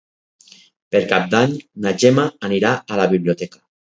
Per Cap d'Any na Gemma anirà a la biblioteca.